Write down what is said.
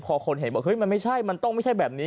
พอคนเห็นว่าเฮ้ยมันไม่ใช่มันต้องไม่ใช่แบบนี้